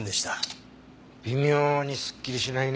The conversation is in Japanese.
微妙にすっきりしないね。